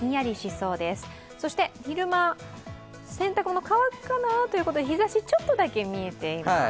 そして昼間、洗濯物乾くかなということで日差し、ちょっとだけ見えています。